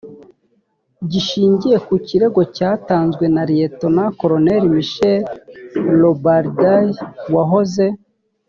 gishingiye ku kirego cyatanzwe na lieutenant colonel michel robarday wahoze